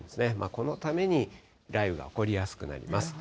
このために、雷雨が起こりやすくなります。